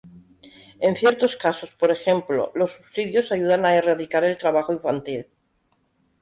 En ciertos casos, por ejemplo, los subsidios ayudan a erradicar el trabajo infantil.